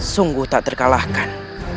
sungguh tak terkalahkan